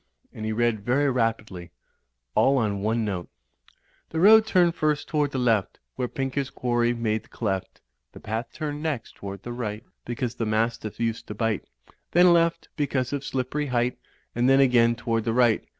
And he read very rapidly, all on one note: "The road turned first toward the left Where Pinker's quarry made the cleft ; The path turned next toward the right Because the mastiff used to bite; Then, left, because of Slippery Height, And then again toward the right.